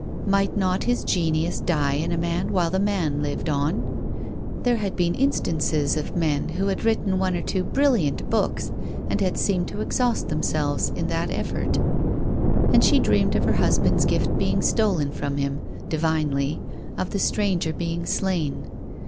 Might not his genius die in a man while the man lived on ? There had been instances of men who had writ ten one or two brilliant books and had seemed to exhaust themselves in that effort. And she dreamed of her husband's gift being stolen from him — divinely — of the stranger being slain.